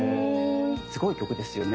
すごい曲ですよね。